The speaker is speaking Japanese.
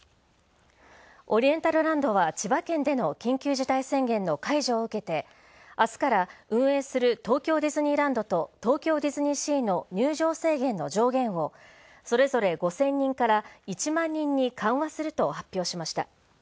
オリエンタルランドは千葉県での緊急事態宣言の解除を受けて明日から運営する東京ディズニーランドと東京ディズニーシーの入場制限の上限をそれぞれ５０００人から１万人に緩和すると発表しました。